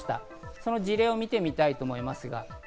その事例を見てみたいと思います。